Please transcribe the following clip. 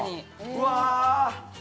うわ！